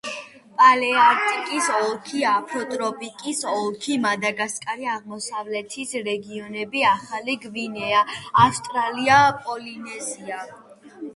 პალეარქტიკის ოლქი, აფროტროპიკის ოლქი, მადაგასკარი, აღმოსავლეთის რეგიონები, ახალი გვინეა, ავსტრალია, პოლინეზია.